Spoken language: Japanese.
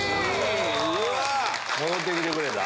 戻ってきてくれた。